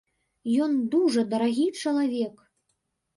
Ён дужа дарагі чалавек.